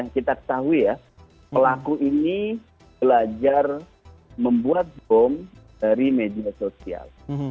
kita ketahui ya pelaku ini belajar membuat bom dari media sosial